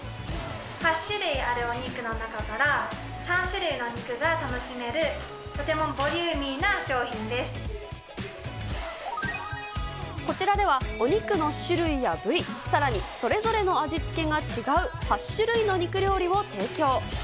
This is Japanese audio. ８種類あるお肉の中から、３種類のお肉が楽しめる、こちらでは、お肉の種類や部位、さらにそれぞれの味付けが違う８種類の肉料理を提供。